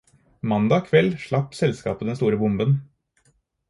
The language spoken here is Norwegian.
Mandag kveld slapp selskapet den store bomben.